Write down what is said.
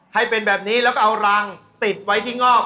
ให้เป็นแบบนี้แล้วก็เอารังติดไว้ที่งอก